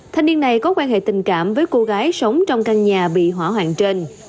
thanh niên này có quan hệ tình cảm với cô gái sống trong căn nhà bị hỏa hoạn trên